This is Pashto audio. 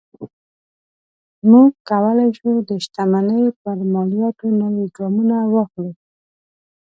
موږ کولی شو د شتمنۍ پر مالیاتو نوي ګامونه واخلو.